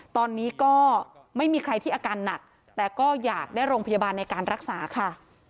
ตอนนี้ก็ไม่มีใครที่อาการหนักแต่ก็อยากได้โรงพยาบาลในการรักษาค่ะ